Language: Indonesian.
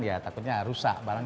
ya takutnya rusak barang